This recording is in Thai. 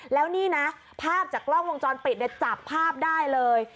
แล้วนี่นะภาพจากกล้องวงจรปิดเนี่ยจับภาพได้เลย